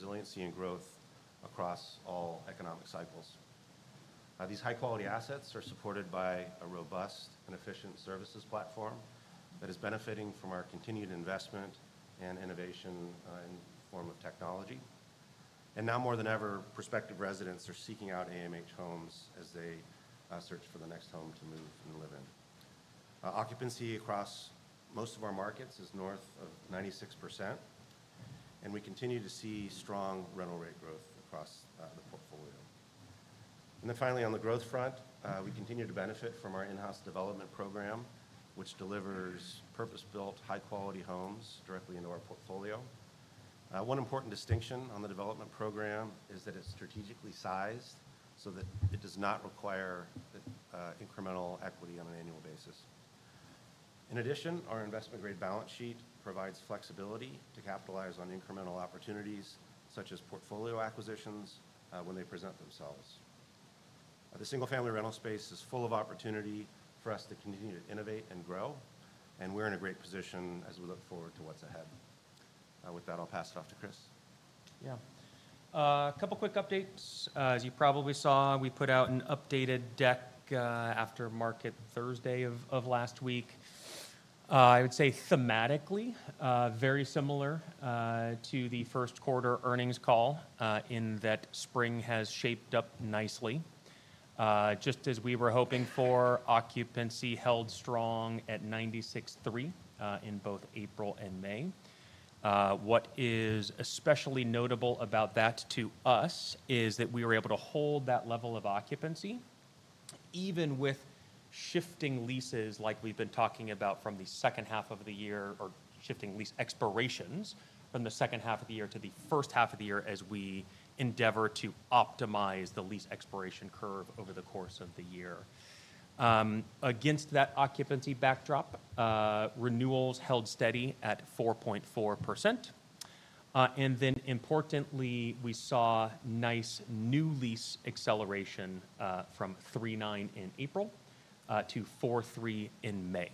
For resiliency and growth across all economic cycles. These high-quality assets are supported by a robust and efficient services platform that is benefiting from our continued investment and innovation in the form of technology. Now, more than ever, prospective residents are seeking out AMH Homes as they search for the next home to move and live in. Occupancy across most of our markets is north of 96%, and we continue to see strong rental rate growth across the portfolio. Finally, on the growth front, we continue to benefit from our in-house development program, which delivers purpose-built, high-quality homes directly into our portfolio. One important distinction on the development program is that it is strategically sized so that it does not require incremental equity on an annual basis. In addition, our investment-grade balance sheet provides flexibility to capitalize on incremental opportunities, such as portfolio acquisitions, when they present themselves. The single-family rental space is full of opportunity for us to continue to innovate and grow, and we're in a great position as we look forward to what's ahead. With that, I'll pass it off to Chris. Yeah. A couple of quick updates. As you probably saw, we put out an updated deck after market Thursday of last week. I would say thematically, very similar to the first-quarter earnings call in that spring has shaped up nicely. Just as we were hoping for, occupancy held strong at 96.3% in both April and May. What is especially notable about that to us is that we were able to hold that level of occupancy, even with shifting leases like we've been talking about from the second half of the year, or shifting lease expirations from the second half of the year to the first half of the year as we endeavor to optimize the lease expiration curve over the course of the year. Against that occupancy backdrop, renewals held steady at 4.4%. Importantly, we saw nice new lease acceleration from 3.9% in April to 4.3% in May.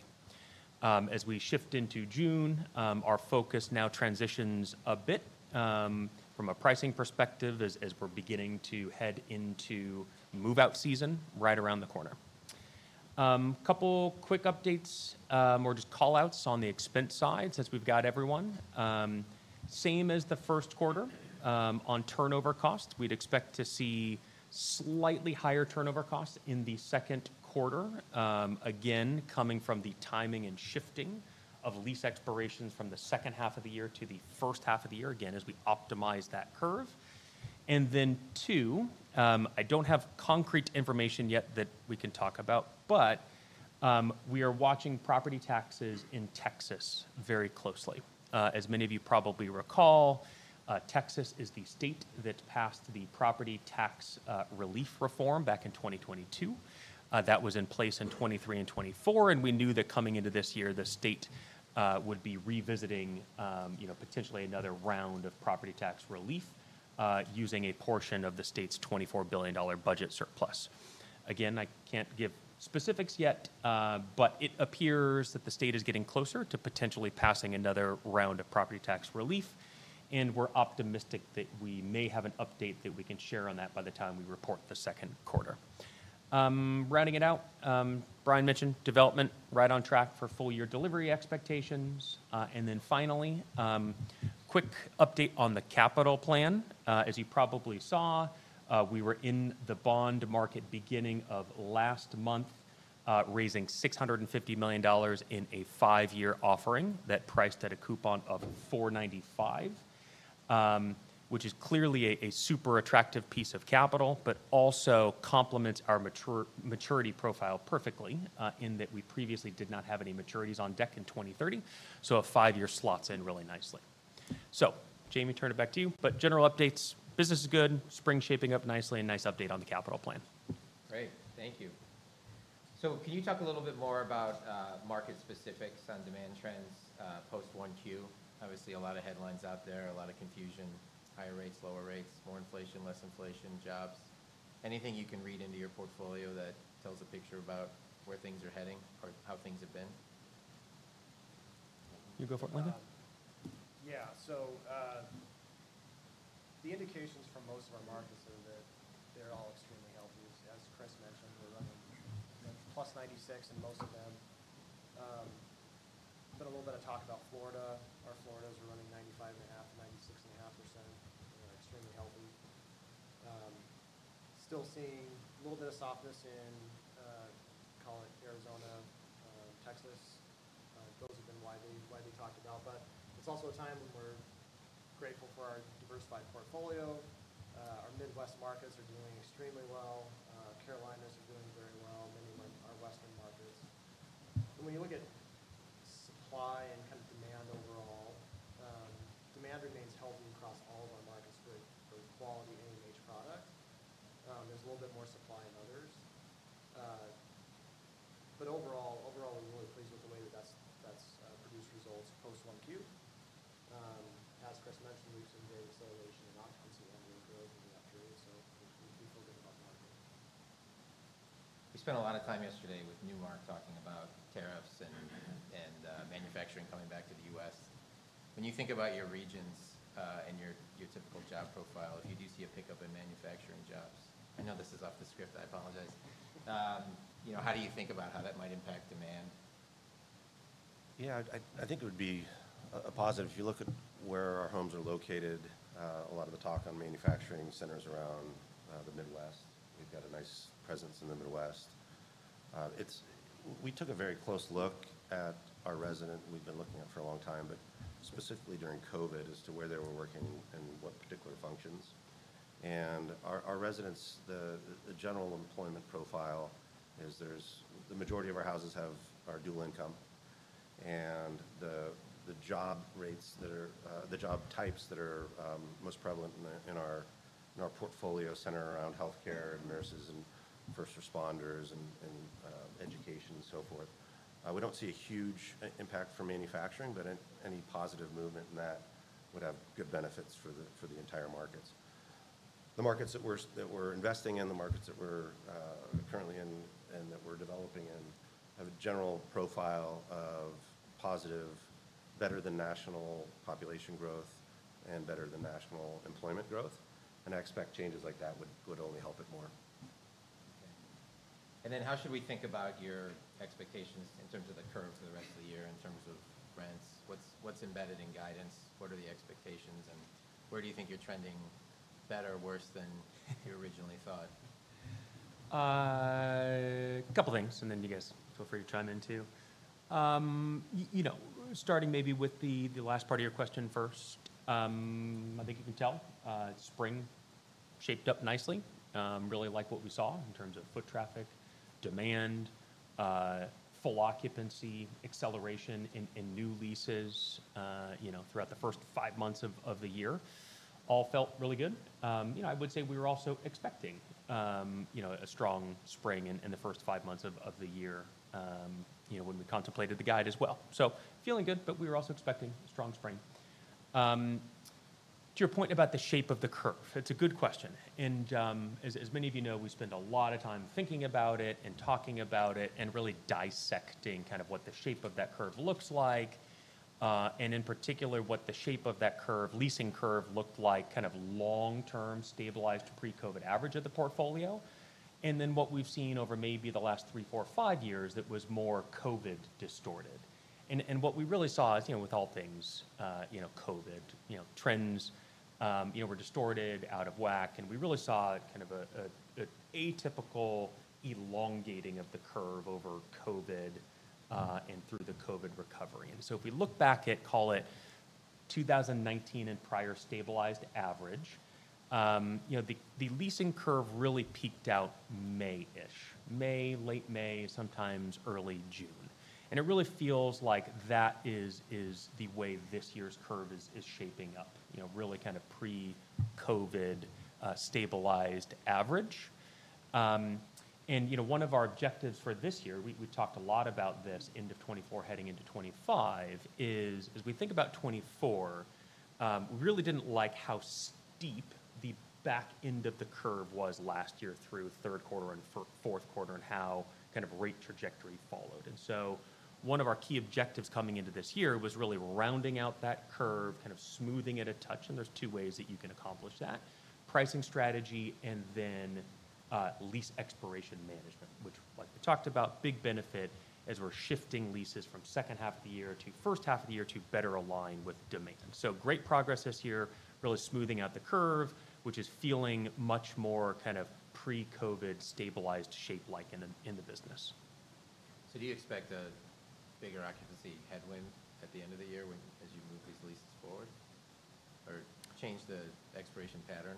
As we shift into June, our focus now transitions a bit from a pricing perspective as we're beginning to head into move-out season right around the corner. A couple of quick updates or just callouts on the expense side since we've got everyone. Same as the first quarter on turnover costs. We'd expect to see slightly higher turnover costs in the second quarter, again, coming from the timing and shifting of lease expirations from the second half of the year to the first half of the year, again, as we optimize that curve. Two, I don't have concrete information yet that we can talk about, but we are watching property taxes in Texas very closely. As many of you probably recall, Texas is the state that passed the property tax relief reform back in 2022. That was in place in 2023 and 2024, and we knew that coming into this year, the state would be revisiting potentially another round of property tax relief using a portion of the state's $24 billion budget surplus. Again, I can't give specifics yet, but it appears that the state is getting closer to potentially passing another round of property tax relief, and we're optimistic that we may have an update that we can share on that by the time we report the second quarter. Rounding it out, Bryan mentioned development right on track for full-year delivery expectations. Finally, quick update on the capital plan. As you probably saw, we were in the bond market beginning of last month, raising $650 million in a five-year offering that priced at a coupon of 4.95%, which is clearly a super attractive piece of capital, but also complements our maturity profile perfectly in that we previously did not have any maturities on deck in 2030. A five-year slots in really nicely. Jamie, turn it back to you. General updates, business is good, spring's shaping up nicely, and nice update on the capital plan. Great. Thank you. Can you talk a little bit more about market specifics on demand trends post-1Q? Obviously, a lot of headlines out there, a lot of confusion, higher rates, lower rates, more inflation, less inflation, jobs. Anything you can read into your portfolio that tells a picture about where things are heading or how things have been? You go for it, Will you?. Yeah. The indications from most of our markets are that they're all extremely healthy. As Chris mentioned, we're running plus 96% in most of them. A little bit of talk about Florida. Our Floridas are running 95.5%-96.5%. They're extremely healthy. Still seeing a little bit of softness in, call it, Arizona, Texas. Those have been widely talked about. It's also a time when we're grateful for our diversified portfolio. Our Midwest markets are doing extremely well. Carolinas are doing very well, many of our Western markets. When you look at supply and kind of demand overall, demand remains healthy across all of our markets for quality AMH product. There's a little bit more supply in others. Overall, we're really pleased with the way that that's produced results post-1Q. As Chris mentioned, we've seen great acceleration in occupancy and in growth in that period, so we feel good about the market. We spent a lot of time yesterday with Newmark talking about tariffs and manufacturing coming back to the U.S. When you think about your regions and your typical job profile, if you do see a pickup in manufacturing jobs— I know this is off the script, I apologize—how do you think about how that might impact demand? Yeah. I think it would be a positive. If you look at where our homes are located, a lot of the talk on manufacturing centers around the Midwest. We've got a nice presence in the Midwest. We took a very close look at our resident. We've been looking at it for a long time, but specifically during COVID, as to where they were working and what particular functions. And our residents, the general employment profile is the majority of our houses are dual income. And the job types that are most prevalent in our portfolio center around healthcare and nurses and first responders and education and so forth. We do not see a huge impact for manufacturing, but any positive movement in that would have good benefits for the entire markets. The markets that we're investing in, the markets that we're currently in and that we're developing in have a general profile of positive, better than national population growth and better than national employment growth. I expect changes like that would only help it more. How should we think about your expectations in terms of the curve for the rest of the year, in terms of rents? What's embedded in guidance? What are the expectations? Where do you think you're trending better or worse than you originally thought? A couple of things, and then you guys feel free to chime in too. Starting maybe with the last part of your question first, I think you can tell spring shaped up nicely, really like what we saw in terms of foot traffic, demand, full occupancy, acceleration in new leases throughout the first five months of the year. All felt really good. I would say we were also expecting a strong spring in the first five months of the year when we contemplated the guide as well. Feeling good, but we were also expecting a strong spring. To your point about the shape of the curve, it's a good question. As many of you know, we spend a lot of time thinking about it and talking about it and really dissecting kind of what the shape of that curve looks like, and in particular, what the shape of that leasing curve looked like kind of long-term stabilized pre-COVID average of the portfolio. What we have seen over maybe the last three, four, five years was more COVID-distorted. What we really saw is, with all things, COVID trends were distorted, out of whack. We really saw kind of an atypical elongating of the curve over COVID and through the COVID recovery. If we look back at, call it, 2019 and prior stabilized average, the leasing curve really peaked out May-ish, May, late May, sometimes early June. It really feels like that is the way this year's curve is shaping up, really kind of pre-COVID stabilized average. One of our objectives for this year, we talked a lot about this end of 2024 heading into 2025, is as we think about 2024, we really did not like how steep the back end of the curve was last year through third quarter and fourth quarter and how kind of rate trajectory followed. One of our key objectives coming into this year was really rounding out that curve, kind of smoothing it a touch. There are two ways that you can accomplish that: pricing strategy and then lease expiration management, which, like we talked about, big benefit as we are shifting leases from second half of the year to first half of the year to better align with demand. Great progress this year, really smoothing out the curve, which is feeling much more kind of pre-COVID stabilized shape-like in the business. Do you expect a bigger occupancy headwind at the end of the year as you move these leases forward or change the expiration pattern?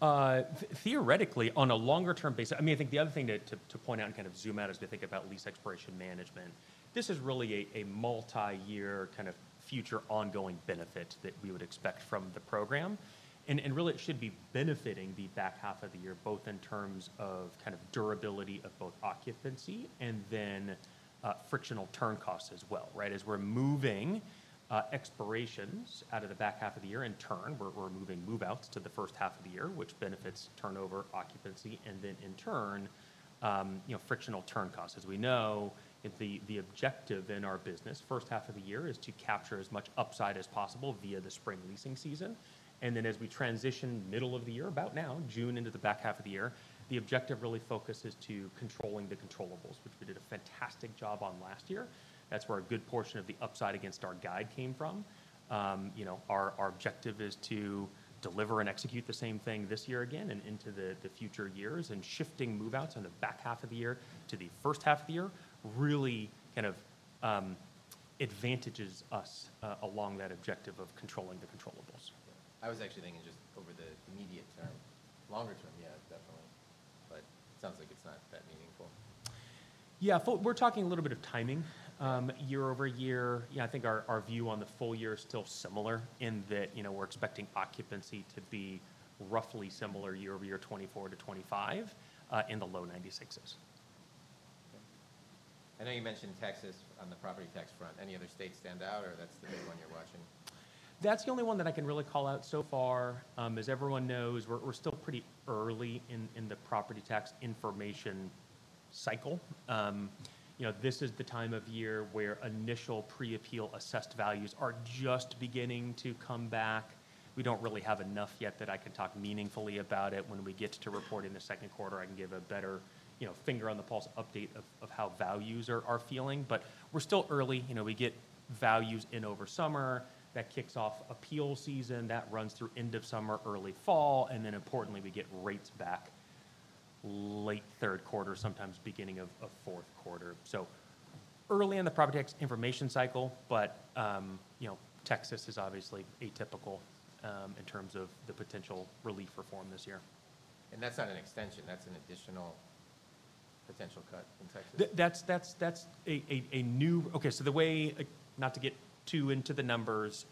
Theoretically, on a longer-term basis, I mean, I think the other thing to point out and kind of zoom out as we think about lease expiration management, this is really a multi-year kind of future ongoing benefit that we would expect from the program. It should be benefiting the back half of the year, both in terms of kind of durability of both occupancy and then frictional turn costs as well, right? As we are moving expirations out of the back half of the year, in turn, we are moving move-outs to the first half of the year, which benefits turnover, occupancy, and then in turn, frictional turn costs. As we know, the objective in our business, first half of the year, is to capture as much upside as possible via the spring leasing season. As we transition middle of the year, about now, June into the back half of the year, the objective really focuses to controlling the controllables, which we did a fantastic job on last year. That is where a good portion of the upside against our guide came from. Our objective is to deliver and execute the same thing this year again and into the future years. Shifting move-outs on the back half of the year to the first half of the year really kind of advantages us along that objective of controlling the controllables. I was actually thinking just over the immediate term. Longer term, yeah, definitely. It sounds like it's not that meaningful. Yeah. We're talking a little bit of timing year over year. I think our view on the full year is still similar in that we're expecting occupancy to be roughly similar year-over-year, 2024 to 2025, in the low 96s. I know you mentioned Texas on the property tax front. Any other states stand out, or that's the big one you're watching? That's the only one that I can really call out so far. As everyone knows, we're still pretty early in the property tax information cycle. This is the time of year where initial pre-appeal assessed values are just beginning to come back. We don't really have enough yet that I can talk meaningfully about it. When we get to report in the second quarter, I can give a better finger on the pulse update of how values are feeling. We're still early. We get values in over summer. That kicks off appeal season. That runs through end of summer, early fall. Importantly, we get rates back late third quarter, sometimes beginning of fourth quarter. Early in the property tax information cycle, but Texas is obviously atypical in terms of the potential relief reform this year. That's not an extension. That's an additional potential cut in Texas. That's a new okay. The way, not to get too into the numbers,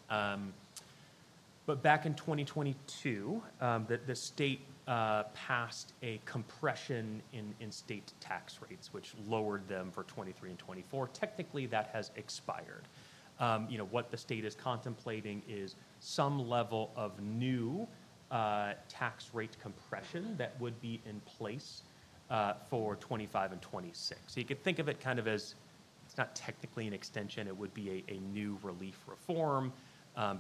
but back in 2022, the state passed a compression in state tax rates, which lowered them for 2023 and 2024. Technically, that has expired. What the state is contemplating is some level of new tax rate compression that would be in place for 2025 and 2026. You could think of it kind of as it's not technically an extension. It would be a new relief reform.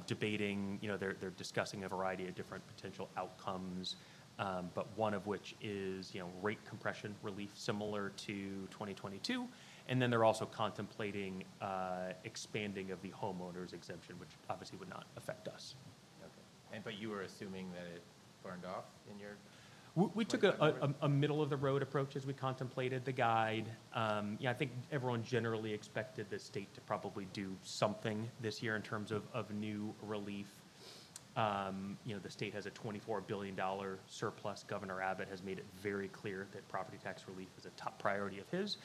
Debating, they're discussing a variety of different potential outcomes, but one of which is rate compression relief similar to 2022. They are also contemplating expanding of the homeowners exemption, which obviously would not affect us. Okay. You were assuming that it burned off in your. We took a middle-of-the-road approach as we contemplated the guide. I think everyone generally expected the state to probably do something this year in terms of new relief. The state has a $24 billion surplus. Governor Abbott has made it very clear that property tax relief is a top priority of his.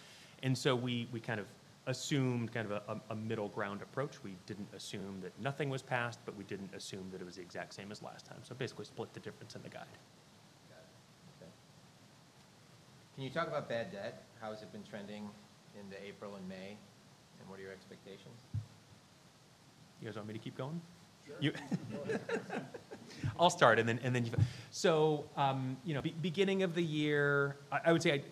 We kind of assumed kind of a middle ground approach. We did not assume that nothing was passed, but we did not assume that it was the exact same as last time. Basically split the difference in the guide. Got it. Okay. Can you talk about bad debt? How has it been trending in April and May? What are your expectations? You guys want me to keep going? Sure. I'll start, and then you. Beginning of the year, I would say,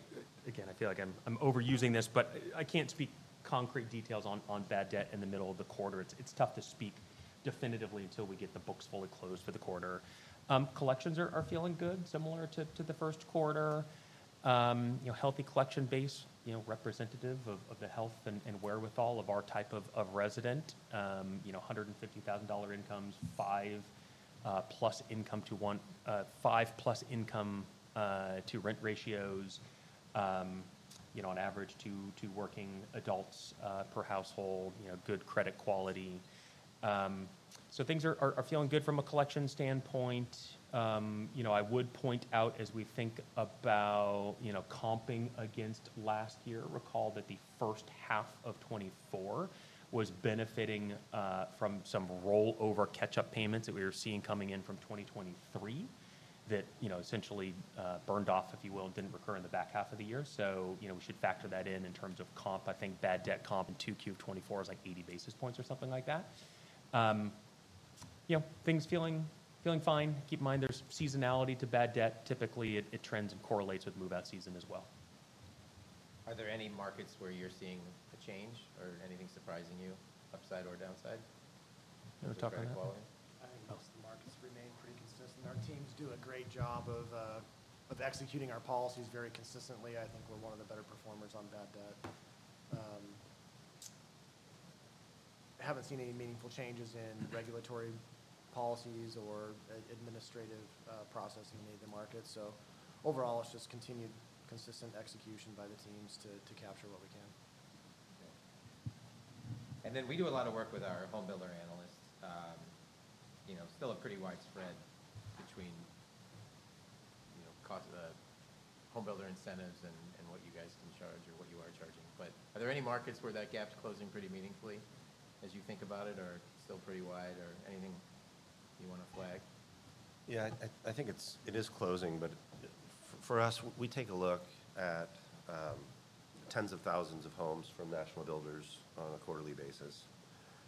again, I feel like I'm overusing this, but I can't speak concrete details on bad debt in the middle of the quarter. It's tough to speak definitively until we get the books fully closed for the quarter. Collections are feeling good, similar to the first quarter. Healthy collection base, representative of the health and wherewithal of our type of resident. $150,000 incomes, five plus income to one, five plus income to rent ratios, on average, two working adults per household, good credit quality. Things are feeling good from a collection standpoint. I would point out as we think about comping against last year, recall that the first half of 2024 was benefiting from some rollover catch-up payments that we were seeing coming in from 2023 that essentially burned off, if you will, and did not recur in the back half of the year. So we should factor that in in terms of comp. I think bad debt comp in Q2 of 2024 was like 80 basis points or something like that. Things feeling fine. Keep in mind, there is seasonality to bad debt. Typically, it trends and correlates with move-out season as well. Are there any markets where you're seeing a change or anything surprising you, upside or downside? We're talking about. I think most of the markets remain pretty consistent. Our teams do a great job of executing our policies very consistently. I think we're one of the better performers on bad debt. I haven't seen any meaningful changes in regulatory policies or administrative processing in either market. Overall, it's just continued consistent execution by the teams to capture what we can. Okay. We do a lot of work with our homebuilder analysts. Still a pretty wide spread between the homebuilder incentives and what you guys can charge or what you are charging. Are there any markets where that gap's closing pretty meaningfully as you think about it, or is it still pretty wide, or anything you want to flag? Yeah. I think it is closing, but for us, we take a look at tens of thousands of homes from national builders on a quarterly basis.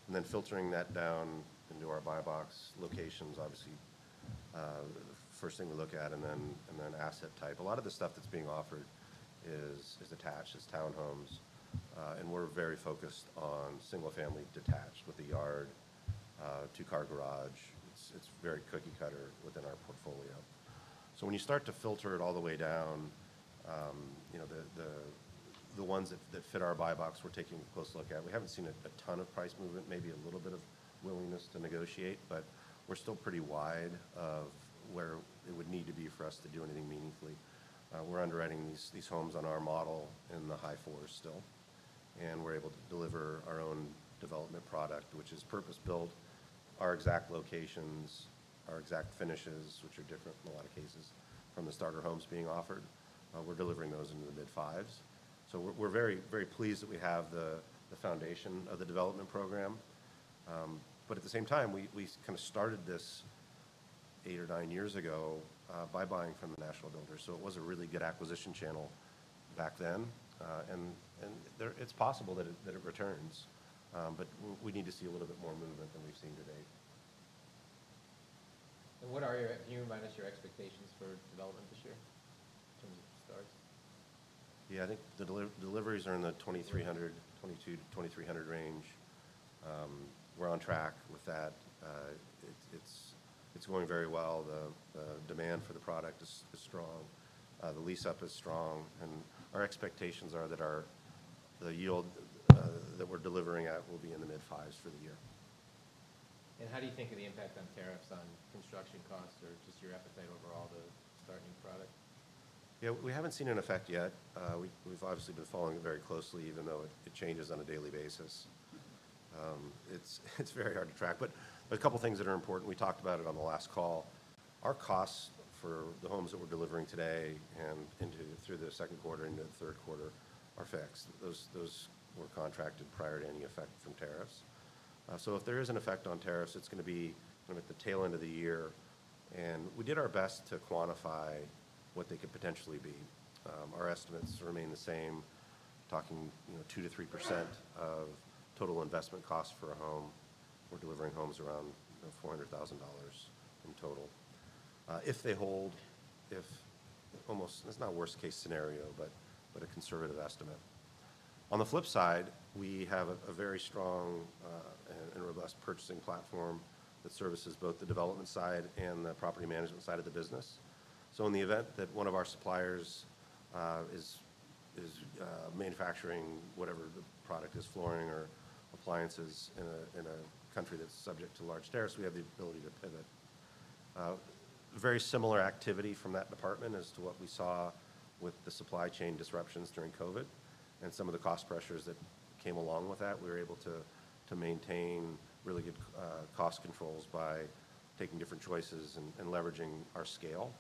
Then filtering that down into our buy box locations, obviously, first thing we look at and then asset type. A lot of the stuff that is being offered is detached, is townhomes. We are very focused on single-family detached with a yard, two-car garage. It is very cookie-cutter within our portfolio. When you start to filter it all the way down, the ones that fit our buy box, we are taking a close look at. We have not seen a ton of price movement, maybe a little bit of willingness to negotiate, but we are still pretty wide of where it would need to be for us to do anything meaningfully. We are underwriting these homes on our model in the high fours still. We are able to deliver our own development product, which is purpose-built, our exact locations, our exact finishes, which are different in a lot of cases from the starter homes being offered. We are delivering those into the mid-fives. We are very pleased that we have the foundation of the development program. At the same time, we kind of started this eight or nine years ago by buying from the national builders. It was a really good acquisition channel back then. It is possible that it returns, but we need to see a little bit more movement than we have seen today. Can you remind us your expectations for development this year in terms of starts? Yeah. I think the deliveries are in the 2,300, 22, 2,300 range. We're on track with that. It's going very well. The demand for the product is strong. The lease-up is strong. Our expectations are that the yield that we're delivering at will be in the mid-5% for the year. How do you think of the impact on tariffs on construction costs or just your appetite overall to start a new product? Yeah. We haven't seen an effect yet. We've obviously been following it very closely, even though it changes on a daily basis. It's very hard to track. A couple of things that are important. We talked about it on the last call. Our costs for the homes that we're delivering today and through the second quarter into the third quarter are fixed. Those were contracted prior to any effect from tariffs. If there is an effect on tariffs, it's going to be at the tail end of the year. We did our best to quantify what they could potentially be. Our estimates remain the same. Talking 2%-3% of total investment cost for a home, we're delivering homes around $400,000 in total. If they hold, if almost it's not worst-case scenario, but a conservative estimate. On the flip side, we have a very strong and robust purchasing platform that services both the development side and the property management side of the business. In the event that one of our suppliers is manufacturing whatever the product is, flooring or appliances, in a country that's subject to large tariffs, we have the ability to pivot. Very similar activity from that department as to what we saw with the supply chain disruptions during COVID and some of the cost pressures that came along with that. We were able to maintain really good cost controls by taking different choices and leveraging our scale.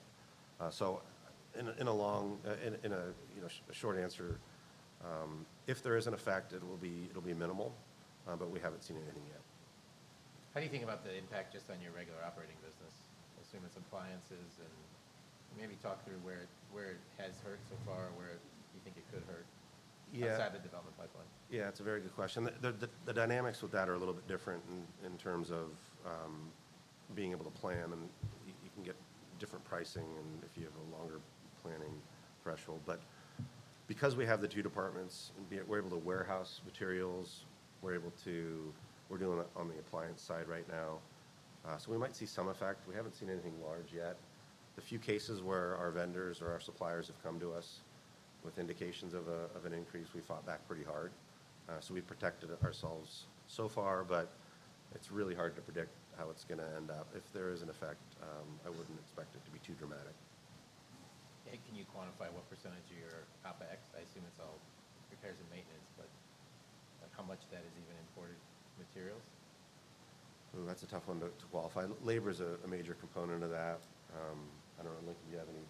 In a long and a short answer, if there is an effect, it will be minimal, but we haven't seen anything yet. How do you think about the impact just on your regular operating business? Assuming it's appliances and maybe talk through where it has hurt so far, where you think it could hurt outside of the development pipeline. Yeah. It's a very good question. The dynamics with that are a little bit different in terms of being able to plan, and you can get different pricing if you have a longer planning threshold. Because we have the two departments, we're able to warehouse materials. We're able to, we're doing it on the appliance side right now. We might see some effect. We haven't seen anything large yet. The few cases where our vendors or our suppliers have come to us with indications of an increase, we fought back pretty hard. We've protected ourselves so far, but it's really hard to predict how it's going to end up. If there is an effect, I wouldn't expect it to be too dramatic. Can you quantify what percentage of your OpEx? I assume it's all repairs and maintenance, but how much of that is even imported materials? Ooh, that's a tough one to qualify. Labor is a major component of that. I don't know, Lincoln, do you have any?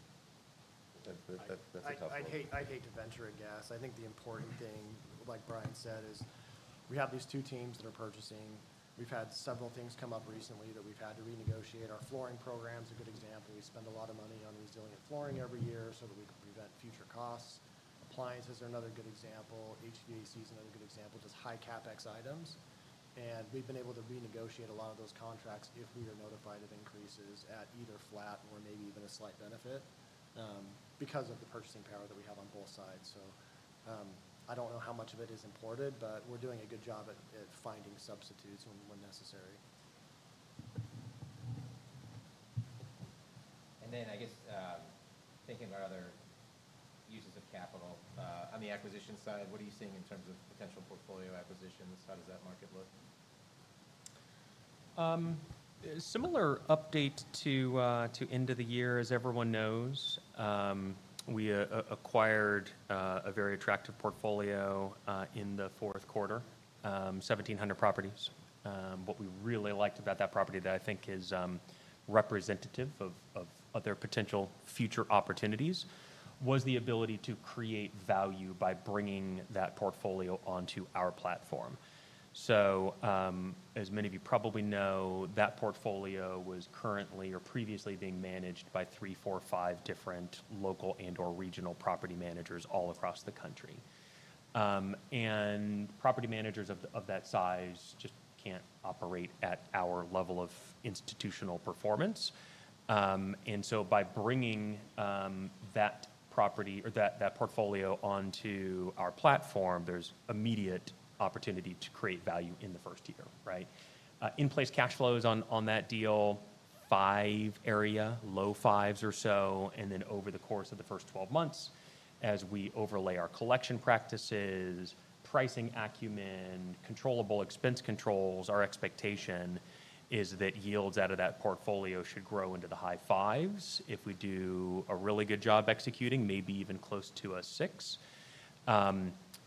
That's a tough one. I'd hate to venture a guess. I think the important thing, like Bryan said, is we have these two teams that are purchasing. We've had several things come up recently that we've had to renegotiate. Our flooring program is a good example. We spend a lot of money on resilient flooring every year so that we can prevent future costs. Appliances are another good example. HVAC is another good example, just high CapEx items. We've been able to renegotiate a lot of those contracts if we are notified of increases at either flat or maybe even a slight benefit because of the purchasing power that we have on both sides. I don't know how much of it is imported, but we're doing a good job at finding substitutes when necessary. I guess thinking about other uses of capital on the acquisition side, what are you seeing in terms of potential portfolio acquisitions? How does that market look? Similar update to end of the year, as everyone knows. We acquired a very attractive portfolio in the fourth quarter, 1,700 properties. What we really liked about that property that I think is representative of other potential future opportunities was the ability to create value by bringing that portfolio onto our platform. As many of you probably know, that portfolio was currently or previously being managed by three, four, five different local and/or regional property managers all across the country. Property managers of that size just cannot operate at our level of institutional performance. By bringing that property or that portfolio onto our platform, there is immediate opportunity to create value in the first year, right? In-place cash flows on that deal, five area, low fives or so. Over the course of the first 12 months, as we overlay our collection practices, pricing acumen, controllable expense controls, our expectation is that yields out of that portfolio should grow into the high fives if we do a really good job executing, maybe even close to a six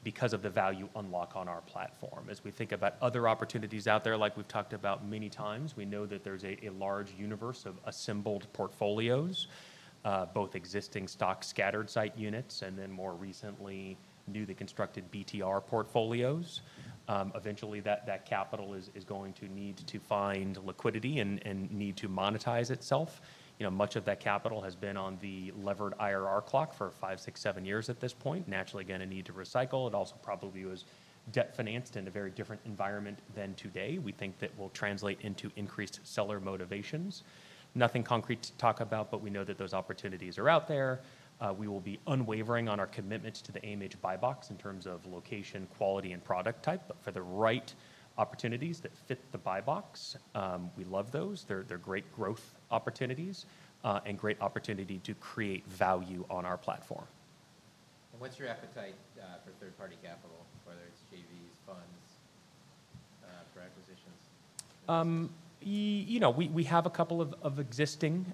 because of the value unlock on our platform. As we think about other opportunities out there, like we have talked about many times, we know that there is a large universe of assembled portfolios, both existing stock scattered site units and then more recently newly constructed BTR portfolios. Eventually, that capital is going to need to find liquidity and need to monetize itself. Much of that capital has been on the levered IRR clock for five, six, seven years at this point, naturally going to need to recycle. It also probably was debt financed in a very different environment than today. We think that will translate into increased seller motivations. Nothing concrete to talk about, but we know that those opportunities are out there. We will be unwavering on our commitments to the AMH buy box in terms of location, quality, and product type. For the right opportunities that fit the buy box, we love those. They're great growth opportunities and great opportunity to create value on our platform. What's your appetite for third-party capital, whether it's JVs, funds for acquisitions? We have a couple of existing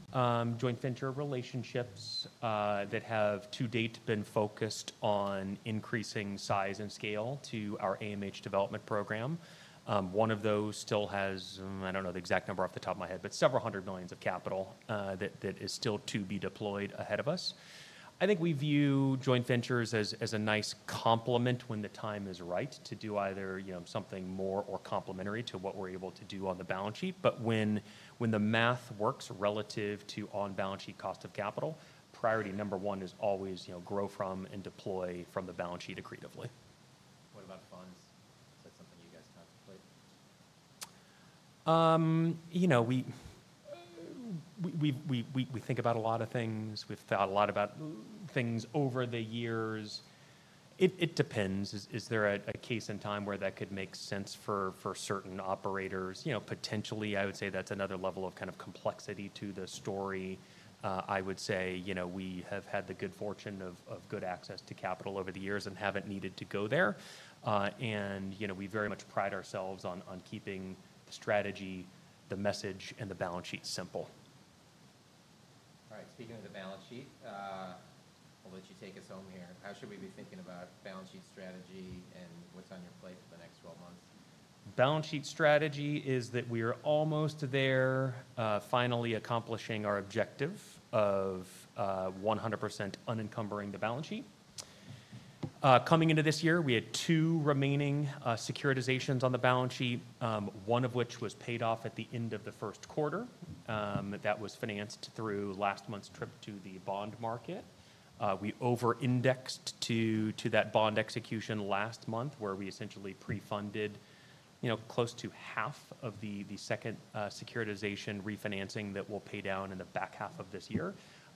joint venture relationships that have to date been focused on increasing size and scale to our AMH development program. One of those still has, I do not know the exact number off the top of my head, but several hundred million of capital that is still to be deployed ahead of us. I think we view joint ventures as a nice complement when the time is right to do either something more or complementary to what we are able to do on the balance sheet. When the math works relative to on-balance sheet cost of capital, priority number one is always grow from and deploy from the balance sheet accretively. What about funds? Is that something you guys contemplate? We think about a lot of things. We've thought a lot about things over the years. It depends. Is there a case in time where that could make sense for certain operators? Potentially, I would say that's another level of kind of complexity to the story. I would say we have had the good fortune of good access to capital over the years and haven't needed to go there. We very much pride ourselves on keeping the strategy, the message, and the balance sheet simple. All right. Speaking of the balance sheet, I'll let you take us home here. How should we be thinking about balance sheet strategy and what's on your plate for the next 12 months? Balance sheet strategy is that we are almost there finally accomplishing our objective of 100% unencumbering the balance sheet. Coming into this year, we had two remaining securitizations on the balance sheet, one of which was paid off at the end of the first quarter. That was financed through last month's trip to the bond market. We over-indexed to that bond execution last month where we essentially prefunded close to half of the second securitization refinancing that will pay down in the back half of this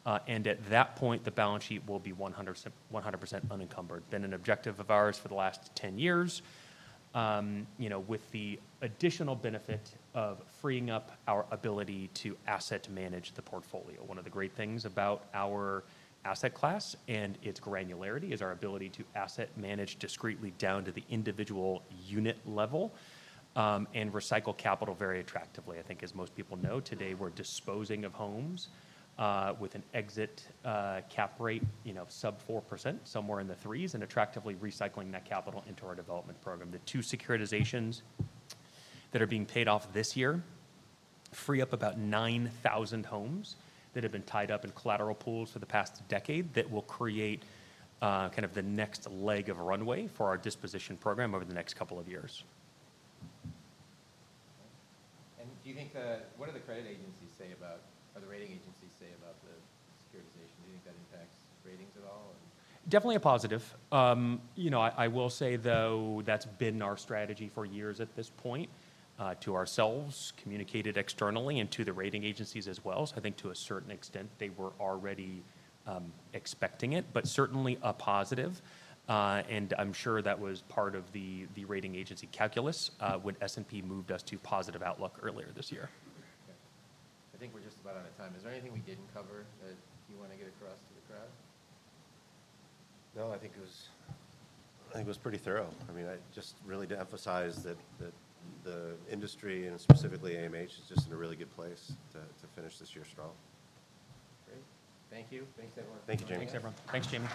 year. At that point, the balance sheet will be 100% unencumbered. Been an objective of ours for the last 10 years with the additional benefit of freeing up our ability to asset manage the portfolio. One of the great things about our asset class and its granularity is our ability to asset manage discreetly down to the individual unit level and recycle capital very attractively. I think as most people know, today we're disposing of homes with an exit cap rate of sub 4%, somewhere in the threes, and attractively recycling that capital into our development program. The two securitizations that are being paid off this year free up about 9,000 homes that have been tied up in collateral pools for the past decade that will create kind of the next leg of runway for our disposition program over the next couple of years. Do you think the, what do the credit agencies say about, or the rating agencies say about the securitization? Do you think that impacts ratings at all? Definitely a positive. I will say, though, that's been our strategy for years at this point to ourselves, communicated externally, and to the rating agencies as well. I think to a certain extent, they were already expecting it, but certainly a positive. I'm sure that was part of the rating agency calculus when S&P moved us to positive outlook earlier this year. I think we're just about out of time. Is there anything we didn't cover that you want to get across to the crowd? No, I think it was pretty thorough. I mean, I just really to emphasize that the industry and specifically AMH is just in a really good place to finish this year strong. Great. Thank you. Thanks everyone. Thank you, James.